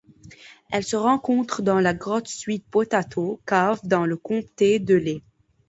Elle se rencontre dans la grotte Sweet Potato Cave dans le comté de Lee.